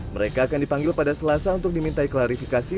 mereka akan dipanggil pada selasa untuk dimintai klarifikasi